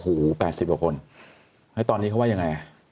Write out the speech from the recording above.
โอ้โห๘๐กว่าคนแล้วตอนนี้เขาว่ายังไง